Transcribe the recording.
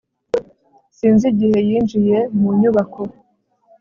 Sinzi igihe yinjiye mu nyubako